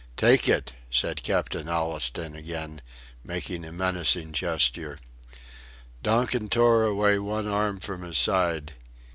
"Take it," said Captain Allistoun again, making a menacing gesture. Donkin tore away one arm from his side.